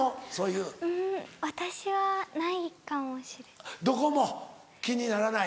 うん私はないかもしれない。